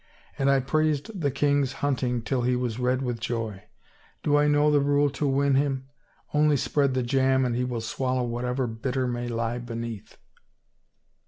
And I praised the king's hunting till he was red with joy. Do I know the rule to win him? Only spread the jam and he will swal low whatever bitter may lie beneath."